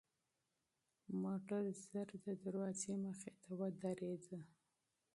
موټر ژر د دروازې مخې ته ودرېد.